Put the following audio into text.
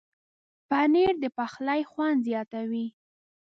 پنېر د پخلي خوند زیاتوي.